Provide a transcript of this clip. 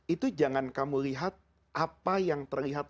itu jangan kamu lihat apa yang terlihat